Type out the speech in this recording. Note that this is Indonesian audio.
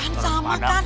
bukan sama kan